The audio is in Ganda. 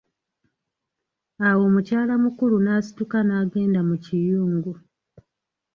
Awo mukyala mukulu, n'asituka n'agenda mu kiyungu.